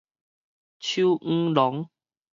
手䘼囊